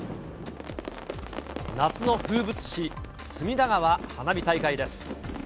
夏の風物詩、隅田川花火大会です。